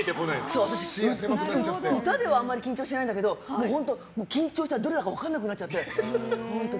私、歌ではあんまり緊張しないんだけど緊張してどれだか分からなくなっちゃって。